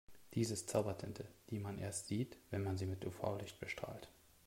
Dies ist Zaubertinte, die man erst sieht, wenn man sie mit UV-Licht bestrahlt.